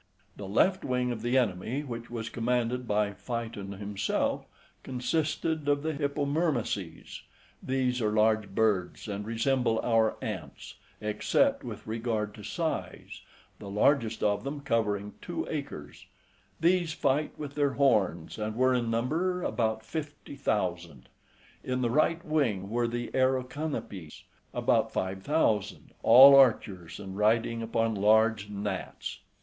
The left wing of the enemy, which was commanded by Phaeton himself, consisted of the Hippomyrmices; these are large birds, and resemble our ants, except with regard to size, the largest of them covering two acres; these fight with their horns and were in number about fifty thousand. In the right wing were the Aeroconopes, {87a} about five thousand, all archers, and riding upon large gnats.